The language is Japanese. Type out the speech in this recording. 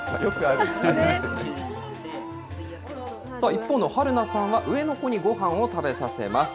一方のはるなさんは、上の子にごはんを食べさせます。